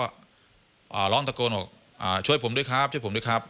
ก็ร้องตะโกนบอกช่วยผมด้วยครับช่วยผมด้วยครับ